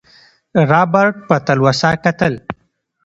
رابرټ په تلوسه کتل.